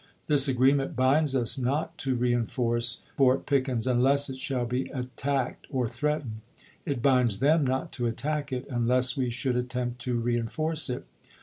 This agreement binds us not to reenforce Fort Pickens unless it shall be attacked or threatened. It binds them not to attack it unless we should attempt to reenforce it.